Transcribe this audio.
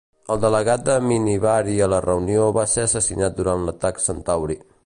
El delegat de Minibari a la reunió va ser assassinat durant l'atac Centauri.